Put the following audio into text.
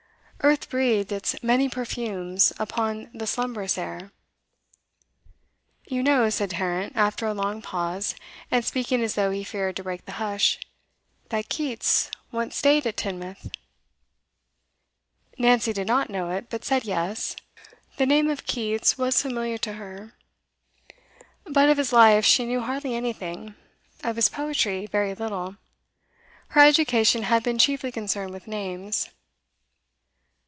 Earth breathed its many perfumes upon the slumberous air. 'You know,' said Tarrant, after a long pause, and speaking as though he feared to break the hush, 'that Keats once stayed at Teignmouth.' Nancy did not know it, but said 'Yes.' The name of Keats was familiar to her, but of his life she knew hardly anything, of his poetry very little. Her education had been chiefly concerned with names.